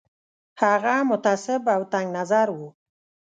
هغه متعصب او تنګ نظر وو.